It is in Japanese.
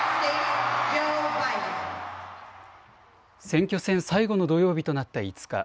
選挙戦最後の土曜日となった５日。